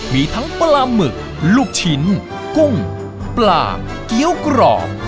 มีทั้งปลาหมึกลูกชิ้นกุ้งปลาเกี้ยวกรอบ